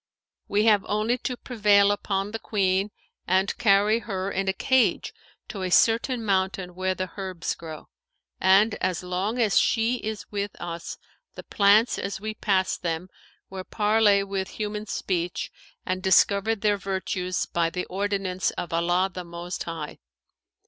We have only to prevail upon the Queen and carry her in a cage to a certain mountain where the herbs grow; and, as long as she is with us, the plants as we pass them will parley with human speech and discover their virtues by the ordinance of Allah the Most High.